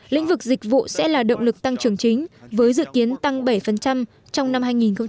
lĩnh vực dịch vụ sẽ là động lực tăng trưởng chính với dự kiến tăng bảy trong năm hai nghìn hai mươi